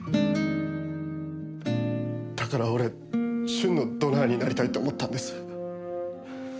だから俺駿のドナーになりたいって思ったんです。